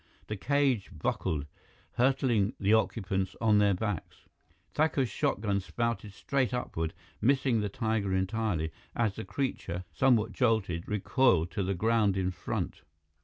The cage buckled, hurling the occupants on their backs. Thakur's shotgun spouted straight upward, missing the tiger entirely, as the creature, somewhat jolted, recoiled to the ground in front.